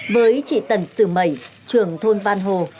với chị tần sử mẩy trưởng thôn văn hồ